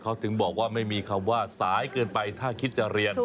เขาถึงบอกว่าไม่มีคำว่าสายเกินไปถ้าคิดจะเรียน